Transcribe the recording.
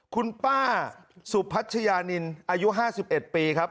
คุณป้าสุพัชยานินอายุห้าสิบเอ็ดปีครับ